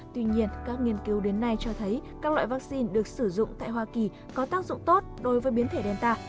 tuy nhiên các nghiên cứu đến nay cho thấy các loại vaccine được sử dụng tại hoa kỳ có tác dụng tốt đối với biến thể đen tạ